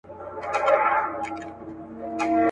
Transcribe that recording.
فرايد وايي چي ښځه د نارينه په څېر